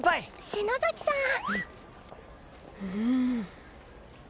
篠崎さん！